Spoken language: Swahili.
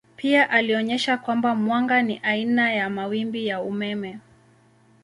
Pia alionyesha kwamba mwanga ni aina ya mawimbi ya umeme.